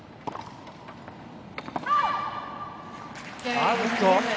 アウト。